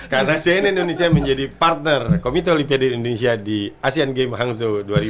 karena sea indonesia menjadi partner komite olimpiade indonesia di asean games hangzhou dua ribu dua puluh tiga